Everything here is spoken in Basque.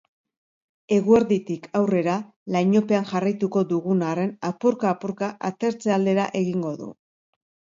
Eguerditik aurrera, lainopean jarraituko dugun arren, apurka-apurka atertze aldera egingo du.